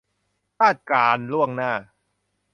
คาดการณ์ล่วงหน้า